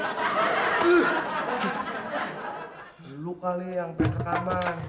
belu kali yang pake rekaman